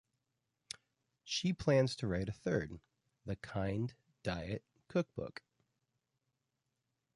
She plans to write a third, "The Kind Diet Cookbook".